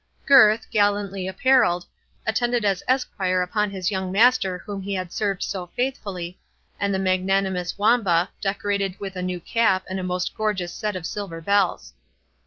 Gurth, gallantly apparelled, attended as esquire upon his young master whom he had served so faithfully, and the magnanimous Wamba, decorated with a new cap and a most gorgeous set of silver bells.